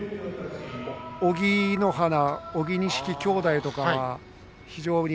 小城乃花小城錦兄弟とか非常に。